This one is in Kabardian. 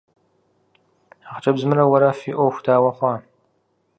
А хъыджэбзымрэ уэрэ фи Ӏуэху дауэ хъуа?